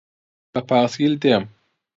بە پایسکل دێم.